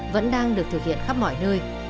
vẫn đang được thực hiện khắp mọi nơi